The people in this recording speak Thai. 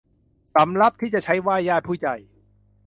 สำรับที่จะใช้ไหว้ญาติผู้ใหญ่